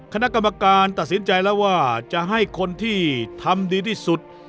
คณะกรรมการตัดสินใจแล้วว่าจะให้คนที่ทำดีที่สุด